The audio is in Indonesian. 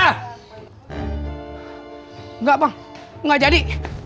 enggak pa enggak jadi